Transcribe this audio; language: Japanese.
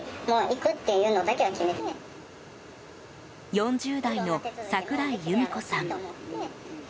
４０代の桜井由美子さん。